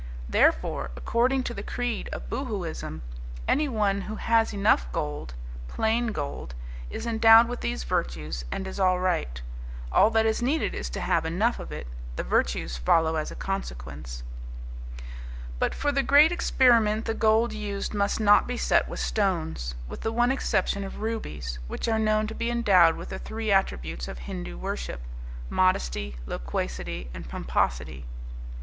Therefore, according to the creed of Boohooism, anyone who has enough gold, plain gold, is endowed with these virtues and is all right. All that is needed is to have enough of it; the virtues follow as a consequence. But for the great experiment the gold used must not be set with stones, with the one exception of rubies, which are known to be endowed with the three attributes of Hindu worship, modesty, loquacity, and pomposity.